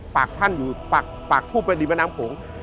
ปากท่านอยู่ปากทูบไปในแม่น้ำโขง